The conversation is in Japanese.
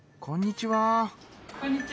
こんにちは。